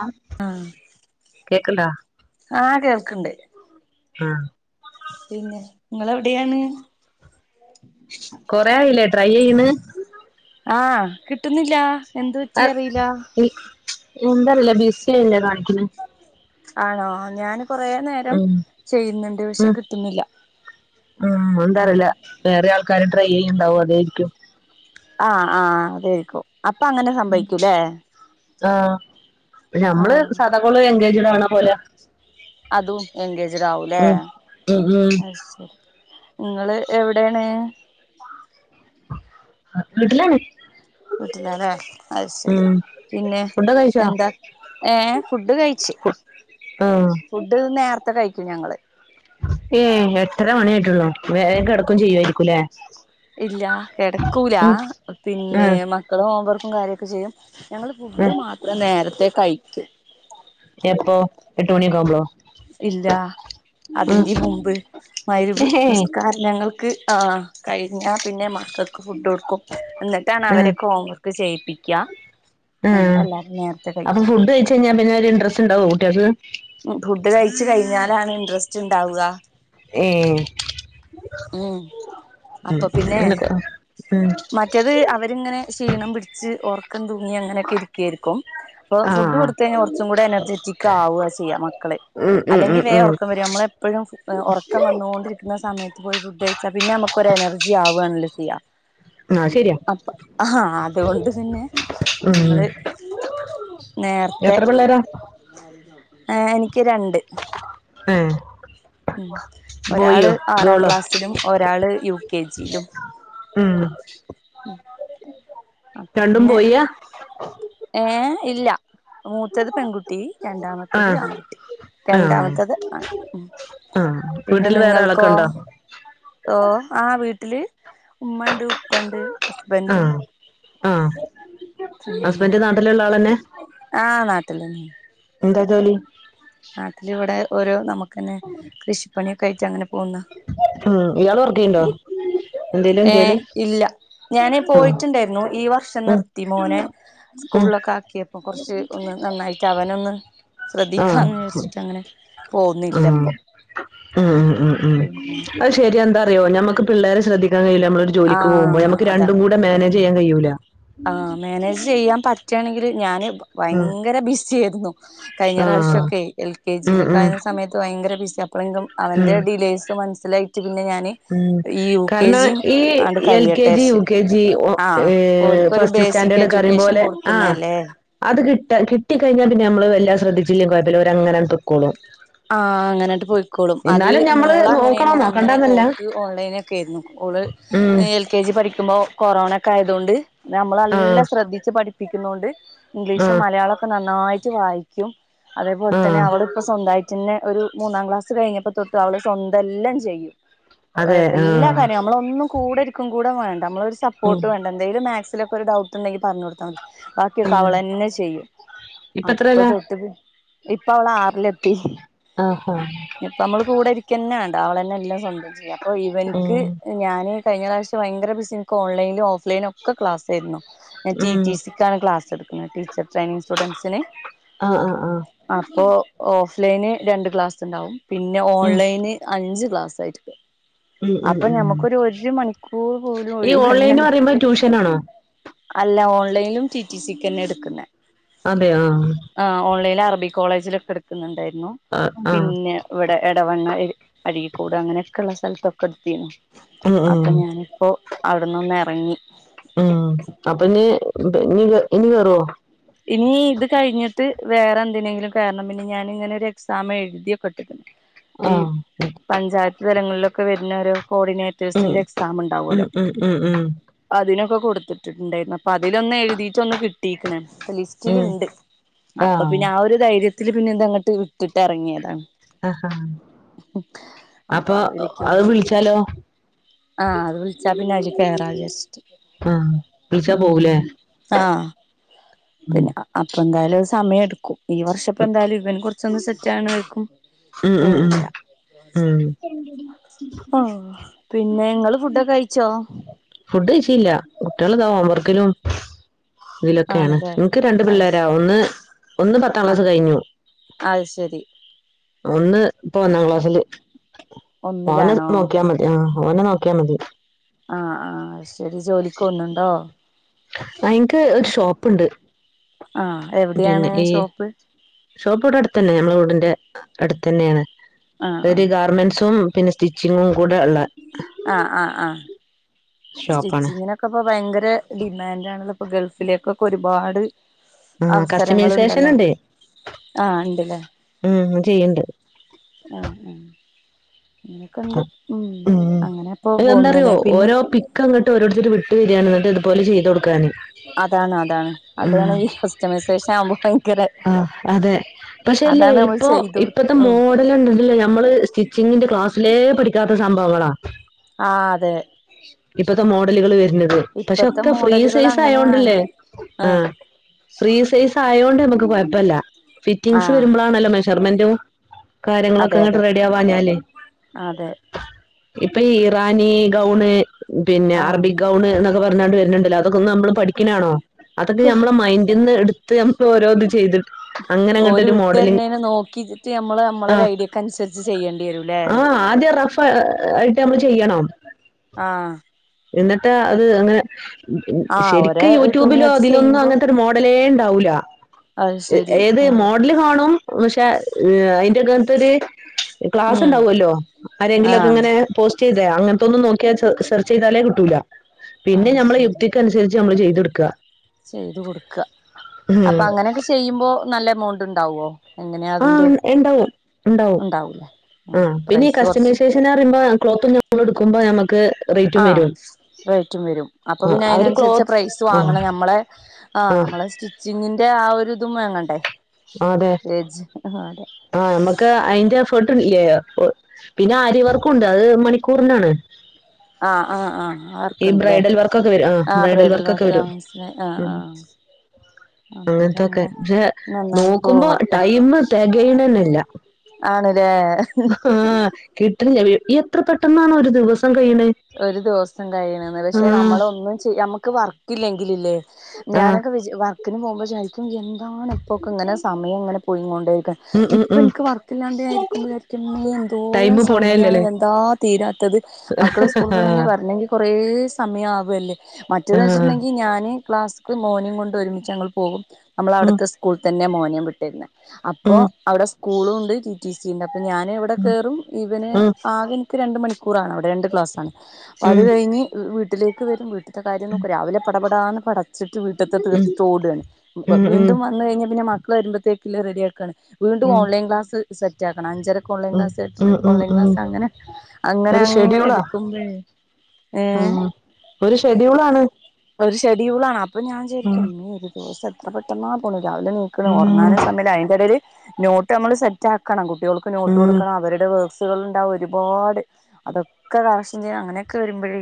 ആ ആഹ് കേക്കണ്ടാ? ക്കണ്ട്. ആഹ പിന്നെ നിങ്ങളെവിടെയാണ്. കൊറയായില്ലേ ട്രൈ ചെയ്യന്ന്. ആഹ കിട്ടുന്നില്ല. എന്ത് പറ്റി അറിയില്ല. എന്താല്ല ബി സി ഇല്ലേ കാണിക്ക് ന്ന ആണോ ഞാൻ ഉ ഉ കിട്ടുന്നില്ല ഉ ഉം എന്താറിയില്ല വേറെ ആൾക്കാര് ട്രൈ ചെയ്യണ്ടാവും, അതായിരിക്കും. ആഹ് ആഹ അതായിക്കും. അപ്പൊ അങ്ങനെ സംഭവിക്കൂല്ലേ? ന്നാ പ്പ ഞമ്മള് ആഹ് സദാകാേള് [unintelligible] [unintelligible] ലെ കാണ് ന പോലെ അതും എൻഗേജഡ് ആവൂലേ ഉം ഉം ഉം അത്െരി ഇങ്ങള് എവിടേണ് വീട്ടിലാണ് വീട്ട്ലാല്ലേ അത്ശെരി ഉം പിന്നെ ഫുഡൊക്കെ കഴിച്ചോ എന്താ ഏ ഫുഡ് കഴിച്ച് ഫുഡ് നേർത്തെ കഴി ക്കും ഞങ്ങള് ഏ എട്ടര മണിയായ്ട്ടാെള്ളു വേഗം കെടക്കും ചെയ്യു ആയിരിക്കുംലേ ഇല്ല കെടക്കൂല പിന്നെ ആഹ് മക്കള് ഹോംവർക്ക് ക്കും കാര്യൊക്കെ ചെയ്യും ഞങ്ങള് ഉം ഫുഡ് മാത്രം നേരത്തേ കയി [unintelligible] എപ്പോ എട്ട് മണി ഒക്കാവുമ്പളോ ഇല്ല അതിന്റിം മുമ്പ് മയ്രിബ് ഏഹ് നിസ്കാര ഞങ്ങൾക്ക് ആ കഴിഞ്ഞാ പിന്നെ മക്കൾക്ക് ഫുഡാെട്ക്കും എന്നിട്ടാണ് ഉം അവരൊക്കെ ഹോം വർക്ക് ചെയ്യിപ്പിക്ക ഉം ഞങ്ങെല്ലാരും നേരത്തെ കഴിക്കും യത് ഫുഡ് കഴിച്ച് കഴിഞ്ഞാലാണ് ഇൻട്രസ്റ്റ്ണ്ടാവ ഏ ഉം ഉം അപ്പൊ പിന്നെ എന്നൊക്കെ ഉം മറ്റത് അവരിങ്ങനെ ക്ഷീണം പി ച്ച് ഒർക്കം തൂങ്ങി അങ്ങനെക്കെ ഇരിക്കായ്ര്ക്കും പ്പോ ആ ഫുഡ് ആ കൊടുത്ത് കഴിഞ്ഞാ കൊറച്ചും കൂടെ എനർജെറ്റിക്കാവാ ചെയ്യ മക്കള് ഉം ഉം ഉം അല്ലെങ്കിൽ വേം ഒറക്കം ഉം വരും നമ്മളെപ്പഴും എ ഒറക്കം വന്നോണ്ടിരിക്ക്ന്ന സമയത്ത് പോയി ഫുഡ് കഴിച്ചാ പിന്നെ ഞമക്കൊരു എനർജി ആവാണല്ലോ ചെയ ആ ശരിയാ അപ്പ ഹാ അ അതുകൊണ്ട് തന്നെ ഉം ഞങ്ങള് നേർത്തെ എത്ര പിള്ളേരാ ആ എനിക്ക് രണ്ട് ഏ ഉം ഒരാള് ബോയിയോ ആറാം ഗേളോ ക്ലാസ്സിലും ഒരാള് യു കെജിലും ഉം ഉം [inaudible] രണ്ടും പോയ്യാ ഏഹ ഇല്ല മൂത്തത് പെൺകുട്ടി ആ രണ്ടാമത്തത് ആൺകുട്ടി ആ രണ്ടാമത്തത് ആണ് ഉ ആ പിന്നെ വീട്ടില് വേറെ ആളൊക്കെ നിങ്ങൾക്കോ ഉണ്ടോ ഓ ആഹ് വീട്ടില് ഉമ്മ ഉണ്ട് ഉപ്പണ്ട് ഹസ്ബൻറും ആഹ് ആഹ് ഹസ്ബൻഡ് നാട്ടിലുള്ള ആളെതന്നെ ആഹ് നാട്ടില എന്താ ജോലി നാട്ടിൽ ഇവിടെ ഓരോ നമുക്ക്ന്നെ കൃഷിപ്പണി [unintelligible] പോന്ന്‌ ഉം ഇയാള് വർക്ക് ചെയ്യണ്ടോ എന്തേലും ഏഹ് ജോലി ഇല്ല ഞൻ ആ പോയിട്ടുണ്ടായിരുന്നു ഈ വർഷം ഉം നിർത്തി മോനെ ഉം സ്കൂളിലൊക്കെ ആക്കിയപ്പോ കുറച്ച് ഒന്ന് നന്നായിട്ട് അവനൊന്ന് ശ്രദ്ധി ആഹ് ഉം ഇപ്പൊ ഉം ഉം ഉം ഉം പിന്നെ അത് ശരിയ എന്താ അറിയോ നമ്മുക്ക് പിള്ളേരെ ശ്രദ്ധിക്കാൻ കഴിയ നമ്മള് ഒരു ആ ജോലിക്ക് പോവുപ്പോ നമുക്ക് അതാ രണ്ടുംകൂടി മാനേജ് ചെയ്യൻ കഴിയൂല്ല ആഹ് മാനേജ് ചെയ്യാൻ പറ്റുണെകില് ഞാന് ആഹ് ഭയങ്കര ബിസിയായിരുന്നു കഴിഞ്ഞ ആഹ് പ്രാവശ്യംക്കെ എ എൽ കെ ഉം ജിയിലൊക്കെ ഉം ആകുന്ന സമയത്ത് ഭയങ്കര ബിസി എപ്പേഴും അവന്റെ ഉം ഡീലെൽസ് മനസ്സി മസിലായിട്ടു പിന്നെ ഞാന് ഉം ഈ യു കെ കാരണം ജിയും ഈ ആണ്ട് എൽ കെ ജി യു കഴിയട്ടെരിച്ച് കെ ജി ആഹ് ഏ ഓര്ക്കൊരു ഫസ്റ്റ് ബേസിക് സ്റ്റാൻഡേർഡ് കഴിയും എഡ്യൂക്കേഷൻ പോലെ ആഹ് കൊടുക്കുന്നല്ലേ അത് കിട്ട കിട്ടി കഴിഞ്ഞാൽ പിന്നെ നമ്മള് എല്ലാം ശ്രദ്ധിച്ച വല്യ കുഴപ്പമില്ല അവരങ്ങനെ പോക്കോളും ആഹ് അങ്ങനെയിട് പോയിക്കോളും അത് എന്നാലും ഞമ്മള് മോള് അങ്ങനെയാണ് നോക്കണം അങ്ങനെ നോക്കണ്ടാന്നല്ല ഓക്ക് അതിനൊക്കെ ആയിരുന്നു ഓള് ഉം എൽ കെ ജി പഠിക്കുമ്പോൾ കൊറോണക്കെ ആയതുകൊണ്ട് ആഹ് നമ്മളെല്ലാം ശ്രദ്ധിച്ച് പഠി പ്പിക്കുന്നോണ്ട് ഇംഗ്ലീഷും ആഹ് മലയാളൊക്കെ നന്നായിട്ട് വായി ക്യും അതേപോല്തന്നെ ആഹ് അവളിപ്പം സ്വന്തയി ഒരു മൂന്നാം ക്ലാസ് കഴിഞ്ഞപ്പോ തൊട്ട് അവള് സ്വന്തല്ലാം ചെയ്യും അതെ എല്ലാ ആഹ് കാര്യം നമ്മളൊന്നും കൂടെരിക്കും കൂടെ വേണ്ട നമ്മളൊരു ഉം സപ്പോർട്ട് വേണ്ട എന്തെലും മാക് സിലോക്കൊരു ഡൗട്ടുണ്ടെങ്കി പറന്നൊടുത്താ മതി ബാക്കിക്കെ ഉം അവളനെ ചെയ്യും ഇപ്പ അപ്പൊ എത്രേലാ തൊട്ട് പ് ഇപ്പ അവള് ആറിലെത്തി ആഹാ ഇപ്പ മ്മള് കൂടെ ഇരിക്കന്നെ വേ അവളന്നെല്ലാം സ്വന്തം ചെയ്യ. അപ്പൊ ഇവൻക്ക് ഉം ഞാന് കഴിഞ്ഞറാശ്യം ഭയ്ങ്കര ബസിൻക്ക് ഓൺലൈലും ഓഫ് ലെനൊക്കെ ക്ലാസായ്ര്ന്നു. ഞാൻ റ്റി ഉം റ്റി സി ക്കാണ് ക്ലാസെടുക്കുന്നെ ടീച്ചർ ട്രെനിങ് സ്റ്റുഡന്റ്സിന് ആഹ് ആഹ് ആഹ് അപ്പോഓഫ്‌ ലൈന് രണ്ട് ക്ലാസ്സ്‌ണ്ടാവും പിന്നെ ഉം ഓൺലൈന് അഞ്ച് ക്ലാസായിരിക്ക ഉം ഉം അപ്പ ഉം ഞമ്മക്കൊരു ഒരു മണിക്കൂർ പോലും ഈ ഒഴിവന്നെ ഓൺലൈന് പറയുമ്പോ ട്യൂഷനാണോ അല്ല ഓൺലൈലും റ്റി റ്റി സിക്കന്നെ എട്ക്ക്ന്നെ അതെയാഹ് ലറബി കോളേജിലൊക്കെ എട്ക്ക്ന്ന്ണ്ടായിനി ആഹ് ആഹ് പിന്നെ വടെ എടവണ്ണ എട് അരീക്കോട് അങ്ങനെക്കള്ള സ്ഥൽ തക്കട്ത്തിനു ഉം ഉം അപ്പ ഞാനിപ്പോ അവ്ട്ന്നൊന്നറങ്ങി ആ അപ്പൊഞ്ഞി ഞ്ഞി ഇനി കേറോ ഇനി ഇത് കഴിഞ്ഞിട്ട് വേറെ എന്തിനെങ്കിലും കേറണം പിന്നെ ഞാന്ങ്ങനൊരു എക്സാം എഴുതിയൊക്കെ ട്ട്ക്ക്ണ് ഈ ആഹ് പഞ്ചായത്ത് തലങ്ങളിലും ക്കെ വെര്നൊരു ഉം കോർഡിനേറ്റേഴ്സിന്റെ എക്സാം ഉം ണ്ടാവുല്ലോ ഉം ഉം ഉം അതിനൊക്കെ കൊടുത്തിട്ട്ണ്ടേരുന്നു. അപ്പൊ അതിലൊന്ന് എഴുതിയിട്ട് ഒന്ന് കിട്ടിക്ക് ണ്‌ ത്ത ഉം ലിസ്റ്റില്ണ്ട് അപ്പൊ ആഹ് പിന്നെ ആ ഒരു ധൈര്യ ത്തില് പിന്നെ ഇത് അങ്ങട്ട് വിട്ടിട്ട് എറങ്ങിയതാണ്. അഹ അപ്പൊ അത് അഅ് വിളിക്കുമ്പോ വിൾച്ചാലോ? ആഹ് അത് വിൾച്ചാ പിന്നെ അയില് കേറാ വിചാര്ച്ച്ട്ട് ആഹ് വിളിച്ചാ ഉം. പോവൂലേ ആഹ്. ഉം പിന്നെ അ എന്തായാലൊരു സമയടു ഈ വർഷപ്പൊ എന്തായാലും ഇവൻ കൊർച്ചൊന്നു സെറ്റാവണ വരേക്കും ഉം ഉം ഉം പോവൂല. ഉം പിന്ന ങ്ങള് ഫുഡൊക്കെ കഴിച്ചോ? ഫുഡ് കഴിച്ചില്ല കുട്ടിയള്താ ഹോംവർക്കിലും ഇതിലൊക്കേണ് ആണല്ലേ ഇൻക്ക് രണ്ട് അത് പിള്ളേരാ ശ ഒന്ന് ഒന്ന് പത്താം ക്ലാസ് ആഹ് കഴിഞ്ഞു. അത് ശരി ഒന്ന് ഇപ്പൊ ഒന്നാം ക്ലാസ്സില്. മോനെ ഒന്നിലാണോ നോക്കിയാ മതി ആഹ്. ഓനെ നോക്കിയാ മതി. ആഹ് ആഹ് ശരി ജോലിക്ക് ഓ ന്നുണ്ടോ? ഇൻക്ക് ഒരു ഷോപ്പ്ണ്ട്. ആഹ് പിന്നെ എവിടെയാണ് ഈ ഷോപ്പ് ഷോപ്പ് ഇവ്ടെ അടുത്തന്നെ ഞമ്മളെ വീടിന്റെ അടുത്തന്നേണ്. ആഹ് ഒരു ആഹ് ഗാർമെന്റ്സും പിന്നെ സ്റ്റിച്ചിങ്ങും കൂടെ ഉള്ള ആഹ് ആഹ് ആഹ്. ഷോപ്പാണ് സ്റ്റിച്ചിങ്ങിനൊക്കെ ഇപ്പ ഭയങ്കര ഡിമാൻഡ് ആണത് ഇപ്പൊ ഗൾഫിലേക്കൊക്കെ ഒരുപാട് ആഹ് കസ്റ്റമൈസേഷൻ അവസരങ്ങളുണ്ടല്ലോ അല്ലേ ആഹ് ഇണ്ട്ല്ലേ ഉം. ചെയ്യണ്ട്. ആഹ് ഉം. അങ്ങനൊക്കെ ഉണ്ട് ഉം അങ്ങനെ ഇപ്പോ അത് എന്താറിയോ പോന്നുല്ലേ പിന്നെ ഓരോ പിക്ക് അങ്ങോട്ട് ഓരോരുത്തര് വിട്ടു തരുവാണ്. ഇതുപോലെ ചെയ്തു കൊടുക്കാന്. അതാണ് അതാണ് ഉം അതാണ് ഈ കസ്റ്റമൈസേഷൻ ആവുമ്പോ ഭയങ്കര ആഹ് അതെ പക്ഷെല്ലേ അതാണ് നമ്മൾ ഇപ്പ ചെയ്ത് കൊടുക്ക ഇപ്പത്തെ ഉം മോഡല ഉണ്ടല്ലേ നമ്മള് സ്റ്റിച്ചിങ്ങിന്റെ ക്ലാസ് ലേ പഠിക്കാത്ത സംഭവങ്ങളാ. ആഹ് അതെ ഇപ്പത്തെ മോഡലുകൾ വരുന്നത് പക്ഷെ ഇപ്പത്തെ ഒക്കെ ഫ്രീ മോഡലുകൾ സൈസ് അങ്ങനെയാണ് ആയോണ്ടല്ലേ ആഹ് ഫ്രീ സൈസ് ആയോണ്ട് നമുക്ക് കുഴപ്പല്ല. ഫിറ്റിംങ്സ് ആഹ് വരുമ്പഴാണല്ലോ മ [unintelligible] കാര്യങ്ങളൊക്കെ അതെ ഇങ്ങോട്ട് അതെ റെഡി ആവാഞ്ഞാലേ അതെ. ഇപ്പൊ ഇറാനി ഗൗണ് പിന്നെ ആഹ് അറബിക് ഗൗൺ എന്നോക്കെ പറാ ഞ്ഞോട് വരുന്നുണ്ടല്ല അതൊ നമ്മള് പഠിക്കണാണോ അതൊക്കെ നമ്മള് മൈൻഡ്ന്റ് ന്ന് എടു ഞമുക്ക് ഓരോത് ചെയ്തിും ഓര് വിട്ട് രെന്നേനെ നോക്കിട്ട് നമ്മള് നമ്മള ആ ഒരു ഐഡിയക്കനുസരിച്ച് ചെയ്യേണ്ടി വരുംല്ലേ ആ ആദ്യം റഫ് ആയിട്ട് നമ്മൾ ചെയ്യണം ആ എന്നിട്ട് ആ അത് അങ്ങനെ ആഹ് ഒരേ ശരിക്കും തുണി യൂട്യൂബിലോ വെച്ച് അതിലൊന്നും ചെയ്യുമ്പോ അങ്ങനത്തെ ഒരു മോഡലേ ഉണ്ടാവൂല്ല അത് ശരി ഏത് ആഹ് മോഡല് കാണും പക്ഷേ തൊര് ഉം ക്ലാസ്ണ്ടാവുമല്ലോ ആരെങ്കിലോക്കെ ആഹ് ഇങ്ങനെ പോ സ്റ്റേതെ അങ്ങനത്തൊന്ന് നോക്കിയാ സേർ ചെയ്താലേ കിട്ടൂല പിന്നെ ഞമ്മളെ യുക്തിക്ക് അനുസരിച്ച് നമ്മള് ചെയ്തെടുക്കുക ചെയ്തു കൊടുക്ക അപ്പോ ഉം അങ്ങനെയൊക്കെ ചെയ്യുമ്പോ നല്ല എമൗ ണ്ട്ണ്ടാവുമോ ആ ഇണ്ടാവും ഇണ്ടാവും ഉണ്ടാവൂല ഉം ആ പിന്നെ പ്രൈസ് കുറച്ച് കസ്റ്റമൈസേഷന്ന് പറയുമ്പോ ക്ലോത്തും നമ്മള് എടു ക്കുമ്പോ നമുക്ക് ആ റേറ്റും വരും റേറ്റും വരും അപ്പോ ആ പിന്നെ അവര് അതിനനുസരിച്ച് ക്ലോത്ത് പ്രൈസ് ആ വാങ്ങണം നമ്മളെ ആ ആഹ് നമ്മളെ സ്റ്റിച്ചിങ്ങിന്റെ ആ ഒരു രുതും വാങ്ങണ്ടേ അതെ ഏജ് അതെ ആ നമ്മക്ക് അയിന്റെ എഫർട്ട് ട്ടും ഇല്ലേ പിന്നെ ആര്യവർക്കുണ്ട് അത് മണിക്കൂറിനാണ് ആ ആ ആ ഈ വർക്കുണ്ടല്ലേ ബ്രൈഡൽ വർക്കൊക്കെ വരും ആഹ് ആ ബ്രൈഡൽ വർക്കൊക്കെ വർക്ക്‌ ആ വരും മനസ്സിലായി ആ ഉം ആ അങ്ങനത്തൊക്കെ പക്ഷെ [unintelligible] നോക്കുമ്പോ ടൈം തേകയണെന്നേ ഇല്ല ആണ്ല്ലേ ആഹ് കിട്ടണില്ല വീ എത്ര പെട്ടെന്നാന്നോ ഒരു ദിവസം കഴിയണേ ഒരു ദിവസം കഴിയണന്ന് പക്ഷെ ആഹ് നമ്മള് ഒന്നും ചെയ് നമ്മുക്ക് വർക്കില്ലെങ്ക ങ്കിലില്ലേ ആഹ് ഞാനൊക്കെ വിചാ വർക്കിന് പോകുമ്പോ വിചാരിക്കും എന്താണ് ഇപ്പൊക്കെ ഇങ്ങനെ സമയം ഇങ്ങനെ പോയി കൊണ്ടേരിക്ക്ണ് ഉം ഉം ഇപ്പ ഉം ഇൻക്ക് വർക്ക്ല്ലാണ്ട് ഞാൻ ഇരിക്കുമ്പോ വിചാരിക്കും മ്മേ എന്തോരം ടൈമ് സമയാണ് പോണേല്ലല്ലേ ഇതെന്താ തീരാത്തത് മക്കള് സ് ആഹ് [unintelligible] വരണെങ്കി കൊ കൊറേ സമയാവല്ലേ ആഹ് മറ്റേത്ച്ച്ട്ട്ണ്ടെങ്കി ഞാന് ക്ലാസ്ക്ക്‌ മോനേം കൊണ്ട് ഒരുമിച്ച് ഞങ്ങള് പോകും ഉം നമ്മളവിടുത്തെ സ്കൂൾത്തെന്നെ മോൻ [unintelligible] വിട്ടെര്ണെ അപ്പൊ ഉം അവിടെ സ്കൂളും ണ്ട് ടി ടി സി ണ്ട് അ അപ്പൊ ഞാൻ ഇവിടെ കേറും ഇവന് ഉം ആക ഇന്ക് രണ്ട് മണിക്കൂറാണ് അവിടെ രണ്ട് ക്ലാസ്. അത് ഉം കഴിഞ്ഞ് വിഹ് വീട്ടില് ക്ക്‌ വരും ത്തെ കാര്യം നോക്കൂ രാവിലെ പടപടാന്ന് പടച്ചിട്ട് വീട്ട്ത്തെ തീർത്തിട്ട് ഓടാണ് ഉം ഉം ഉം വീണ്ടും വന്നു കഴിഞ്ഞാൽ പിന്നെ മ വരുമ്പഴത്തേക്കില്ലേ റെഡിയാക്കാണ്. വീണ്ടും ഉം ഓൺലൈൻ ക്ലാസ് സെറ്റ് ആക്കണം അഞ്ചര ക്ക്‌ ഓൺലൈൻ ഉം ക്ലാസ് എട്ട് ഉം മണിക്ക് ഉം ഓൺലൈൻ ഉം ക്ലാസ് അങ്ങനെ അങ്ങന ഒരു അങ്ങനെ എ ഷെഡ്യൂളാ ആഹ് ഒരു ഷെഡ്യൂൾ ആണ് ഒരു ഷെഡ്യൂൾ ആണ് അ അപ്പൊ ഞാൻ വിചാരിക്കും മ്മേ ഒരു ദിവസം എത്ര പെട്ട് ട്ടന്നാ പോണെ രാവിലെ നീക്കണ് ഉം ഉറങ്ങാനും സമയല്ല അയ്ന്റെ ടേല് നോട്ട് നമ്മള് സെറ്റ് ആക്കണം കു കുട്ടിയോൾക്ക് നോട്ട് ഉം കൊടുക്കണം അവരുടെ വെ ട്ടികൾ ഇണ്ടാവും ഒരുപാട് അതൊ ക്കെ [unintelligible] ചെയ്യാ അങ്ങനെയൊക്കെ വരുമ്പഴേ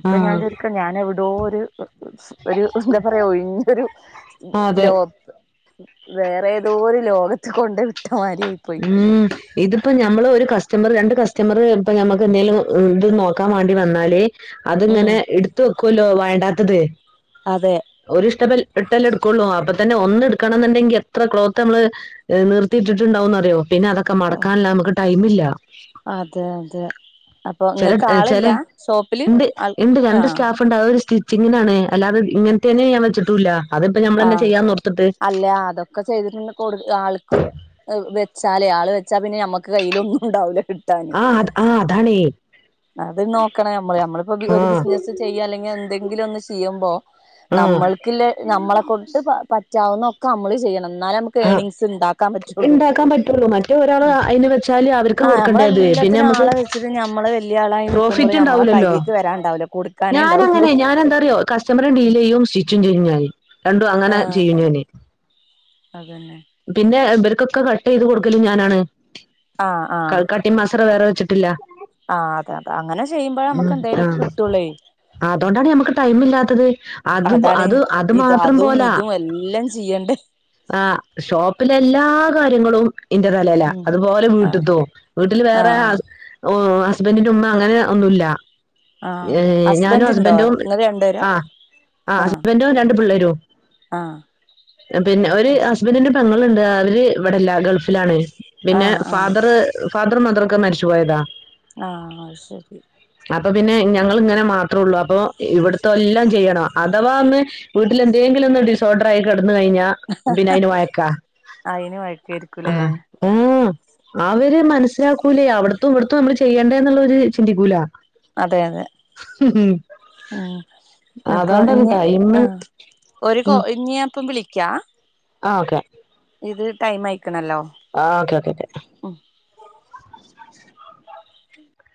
ഇപ്പൊ ഞാൻ ആഹ് ചോദിക്കാ ഞാൻ എവിടോ ഒരു ഒരു എന്താ പറയാ ഒഴിഞ്ഞൊരു അതെ ലോ വേറെ ഏതോ ഒരു ലോക ത്ത് കൊണ്ടയ്ട് ഉം ഇതിപ്പോ ഞമ്മള് ഒരു ക സ്റ്റമർ രണ്ട് കസ്റ്റമറ് ഇപ്പ ഞമക്ക് എന്തെലും ത് നോക്കാൻ വാണ്ടി വന്നാല് ഉം അത്ങ്ങനെ ഇട്ത്തു ക്കൊലോ വേണ്ടാത്തത് അതെ ഒരുഷ്ടബൽ ട്ടല്ലേ എടുക്കൊള്ളൂ അപ്പൊ തന്നെ ഒന്ന് എടുക്കണംന്നുണ്ടെങ്കി എത്ര ക്ലോത്ത് നമ്മള് നിർത്തിട്ടിട്ടുണ്ടാവും യോ പിന്നെ അതൊക്കെ മടക്കാൻല്ല നമുക്ക് ടൈമില്ല. അതെ അതെ അപ്പൊ ചെലത് ഇങ്ങക്ക് ചെല ആളില്ല ഷോപ്പില് ഇണ്ട് ആൾ ഇണ്ട് രണ്ട് ആഹ് സ്റ്റാഫുണ്ട് അവര് സ്റ്റി ച്ചിങ്ങ്നാണ് അല്ലാതെ ഇങ്ങൻത്തേന് ഞാൻ വെച്ചിട്ടൂല്ല. അതിപ്പോ ആ. ഞമ്മളന്നെ ചെയ്യാന്നോർത്തിട്ട് അല്ല. അതൊക്കെ ചെയ്തിട്ടിങ്ങക്ക് കൊടു ആൾക്ക് വെ ച്ചാലേ ആള് വെച്ചാ പിന്നെ ഞമ്മക്ക് കയ്യിലൊന്നും ഉണ്ടാവൂലേ. കിട്ടാന്. ആഹ് ആഹ് അതാണേ അത് നോക്കണം ഞമ്മള്. ഞമ്മളിപ്പോ പി ഒരു ആഹ് ബിസ്നസ്സ് ചെയ്യാ അല്ലെങ്കിൽ എ [unintelligible] ന്തെങ്കിലും ഒന്ന് ചെയ്യുമ്പോ ആഹ് നമ്മൾക്കില്ലേ നമ്മളെ ത്പ പ റ്റാവുന്നൊക്കെ മ്മള് ചെയ്യണം. എന്നാലേ നമുക്ക് ആഹ്. ഏണിങ്സ് ഉണ്ടാക്കാൻ പറ്റുള്ളൂ ഇണ്ടാക്കാൻ പറ്റൊള്ളൂ, മറ്റേ ഒരാള് അയിന് വെച്ചാല് അവര്ക്ക് ആഹ് കൊടുക്കണ്ടേ അത്. നമ്മളെല്ലാത്തിനും പിന്നെമ്മക്ക് ആളെ വെച്ചിട്ട് നമ്മള് വലിയ ആളായി നിക്കുമ്പോള് നമ്മളെ പ്രോഫിറ്റ്ണ്ടാവൂലല്ലോ. കയ്യിക്ക് വരാണ്ടാവൂല കൊടുക്കാനേ ഉണ്ടാവുള്ളൂ ഞാനങ്ങനെ ഞാൻ എന്താറിയോ കസ്റ്റമറെ ഡീലെയ്യും സ്വിച്ചും ചെയ്യും ഞാന്. രണ്ടും അങ്ങനെ ആഹ് ചെയ്യും ഞാന്. അതന്നെ പിന്നെ എ [unintelligible] ക്കൊക്കെ കട്ട് ചെയ്ത് കൊടുക്കലും ഞാനാണ്. ആഹ് ആഹ് ത്ര വേറെ വെച്ചിട്ടില്ല. ആ അതേഅതാ അങ്ങനെ ചെയ്യുമ്പോഴാമുക്ക് ഉം എന്തേലുഒക്കെ ആഹ് കിട്ടൊള്ളേ അതോണ്ടാണ് ഞമ്മക്ക് ടൈം ഇല്ലാത്തത് അത് അതാണ് അത് അത് ഇത് മാത്രം അതും പോലാ ഇതും എല്ലാം ചെയ്യണ്ടേ ആഹ് ഷോപ്പിലെ എല്ലാ കാര്യങ്ങളും ഇന്റെ തലേലാ ഉം അതുപോലെ ആഹ് വീട്ടിത്തോ വീട്ടിൽ വേറെ ആ ആഹ് ഓ ഹസ്ബൻ്റിൻ്റെ ഉമ്മ അങ്ങനെ ഒന്നൂല്ല ആഹ് ഞ് ഞാനും ഹസ്ബൻഡ് ഇണ്ടോ ഹസ്ബൻറും ഇങ്ങള് രണ്ടുപേരാ ആ ആ ആഹ് ഹസ്ബൻ്റും രണ്ടു പിള്ളേരും ആഹ് പിന്നെ ഒര് ഹസ് അസ് പെങ്ങള് ഉണ്ട് അവര് ഇവിടല്ല ഗൾഫിലാണ് പിന്നെ ആഹ് ആഹ് ഫാദറ് ഫാദറും മദറും ക്കെ മരിച്ചുപോയതാ ആ അയ് ശെരി അപ്പൊ പിന്നെ ഞങ്ങളിങ്ങനെ മാത്രോള്ളൂ അപ്പൊ ഇവിട്ത്തെ ഒല്ലാം ചെയ്യണം അഥവാ ഒന്ന് വീട്ടിലെന്തേങ്കിലും ഒന്ന് ഡിസോർട്രായിക്കിട് ടന്ന്കഴിഞ്ഞാ ആയിന് ആ ആ ഊം അവര് മനസ്സിലാക്കൂലേ അവിടുത്തും ഇവിടുത്തും നമ്മള് ചെയ്യേണ്ടേന്നുള്ളൊരു ചിന്തിക്കൂല അതെ അതെ മ് അപ്പൊ അതൊണ്ടാണ് ഇനി ടൈമ് ആ ഒരു കോ ഇഞ്ഞി ഇപ്പം വിളി ക്യാ ആ ഓക്കെ ഇത് ടൈം ആയി ആ ക്കെ ക്കേ ക്കെ [unintelligible]